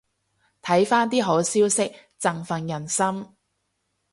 睇返啲好消息振奮人心